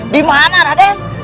di mana raden